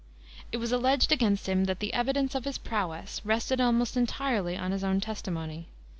It was alleged against him that the evidence of his prowess rested almost entirely on his own testimony.